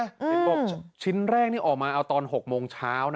เห็นบอกชิ้นแรกนี่ออกมาเอาตอน๖โมงเช้า